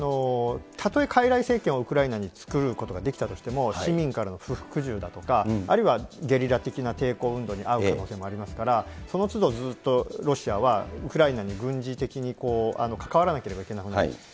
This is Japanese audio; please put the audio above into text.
たとえかいらい政権がウクライナが作ることができたとしても、市民からの不服従だとか、あるいはゲリラ的な抵抗運動にあう可能性もありますから、その都度ずっとロシアはウクライナに軍事的に関わらなければいけなくなる。